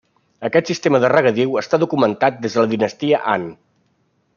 Aquest sistema de regadiu està documentat des de la dinastia Han.